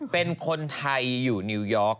เป็นคนไทยอยู่นิวยอร์ก